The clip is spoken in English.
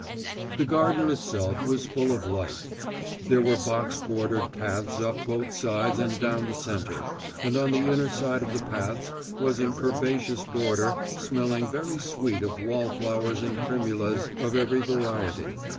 The garden itself was full of life. There were box bordered paths up both sides and down the centre, and on the inner side of the paths was an herbaceous border smelling very sweet of wallflowers and primulas of every variety.